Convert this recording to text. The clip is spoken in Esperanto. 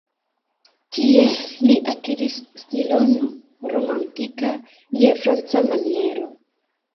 Tie li akiris stilon romantika je franca maniero.